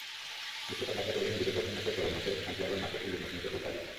বিশ্বকাপ বাছাইপর্বে নিজেদের প্রথম ম্যাচে পরের মাসে সান্তিয়াগোর মাঠে চিলির মুখোমুখি হবে ব্রাজিল।